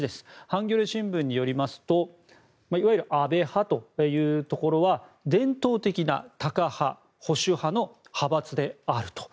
ハンギョレ新聞によりますといわゆる安倍派というところは伝統的なタカ派、保守派の派閥であると。